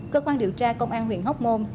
cơ quan điều tra công an huyền hốc môn